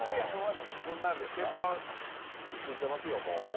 鉄板、火ついてますよ、もう。